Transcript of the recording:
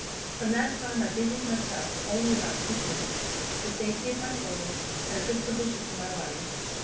From that time I busied myself only about two things the safety of my soul, and a good provision for my body.